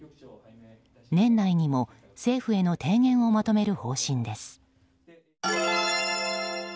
年内にも政府への提言をまとめる方針です。